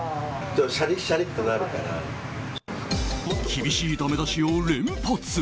厳しいだめ出しを連発。